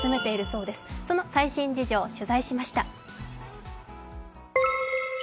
その最新事情、取材しました。